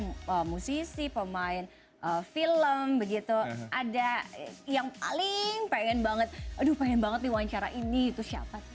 ada yang musisi pemain film yang paling pengen banget diwawancara ini adalah siapa sih